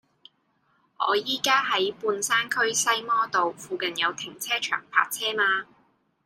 我依家喺半山區西摩道，附近有停車場泊車嗎